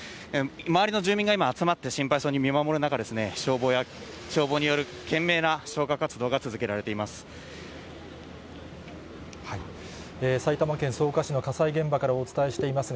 周りの住民が今、集まって心配そうに見守る中、消防による懸命な消火活動が続けられています。